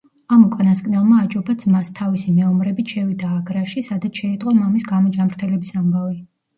ამ უკანასკნელმა აჯობა ძმას, თავისი მეომრებით შევიდა აგრაში, სადაც შეიტყო მამის გამოჯანმრთელების ამბავი.